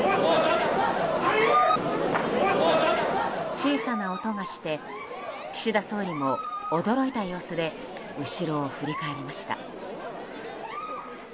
小さな音がして岸田総理も驚いた様子で後ろを振り返りました。